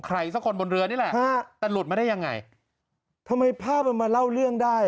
สักคนบนเรือนี่แหละฮะแต่หลุดมาได้ยังไงทำไมภาพมันมาเล่าเรื่องได้